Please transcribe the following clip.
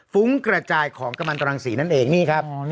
ฟุ้งกระจายของกำลังตรังสีนั่นเองนี่ครับ